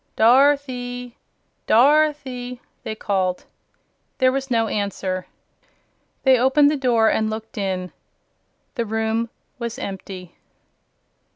"Dorothy! Dorothy!" they called. There was no answer. They opened the door and looked in. The room was empty.